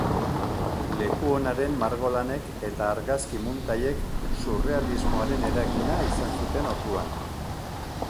Lekuonaren margolanek eta argazki-muntaiek surrealismoaren eragina izan zuten orduan.